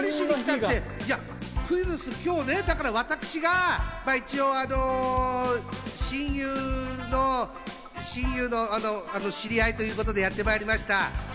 って、クイズッス、今日ね、私が一応親友の親友の、あの、知り合いということで、やってまいりました。